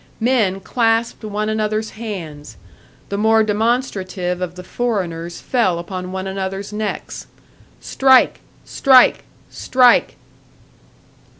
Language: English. Men clasped one another's hands, the more demonstrative of the foreigners fell upon one another's necks. "Strike! Strike! Strike!"